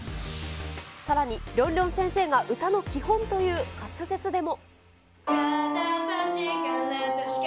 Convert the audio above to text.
さらに、りょんりょん先生が歌の基本という滑舌でも。